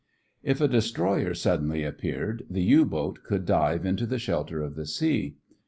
If a destroyer suddenly appeared, the U boat could dive into the shelter of the sea.